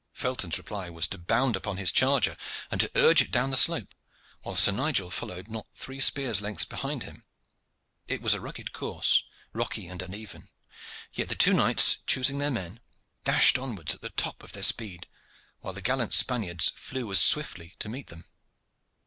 Felton's reply was to bound upon his charger, and to urge it down the slope, while Sir Nigel followed not three spears' lengths behind him. It was a rugged course, rocky and uneven, yet the two knights, choosing their men, dashed onwards at the top of their speed, while the gallant Spaniards flew as swiftly to meet them.